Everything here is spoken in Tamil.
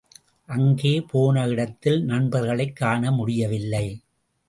அங்கே போன இடத்தில் நண்பர்களைக் காணமுடியவில்லை.